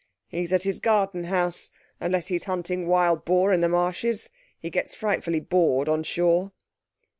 He's at his garden house—unless he's hunting wild boar in the marshes. He gets frightfully bored on shore."